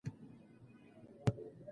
ماشوم د خپل ځان پر باور تمرین وکړي.